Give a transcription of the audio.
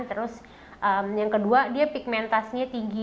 terus yang kedua dia pigmentasinya tinggi